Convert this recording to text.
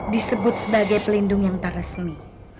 disebut sebagai pelindung yang tak resmi